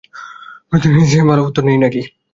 প্রতিধ্বনির চেয়ে ভালো উত্তর নেই না কি?